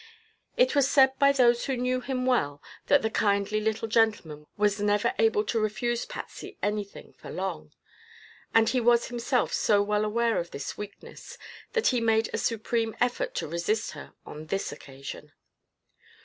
It was said by those who knew him well that the kindly little gentleman was never able to refuse Patsy anything for long, and he was himself so well aware of this weakness that he made a supreme effort to resist her on this occasion.